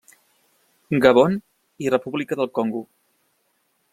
Gabon i República del Congo.